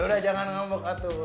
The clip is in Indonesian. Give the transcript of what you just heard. yaudah jangan ngambak atuh